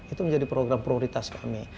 itu menjadi program prioritas kami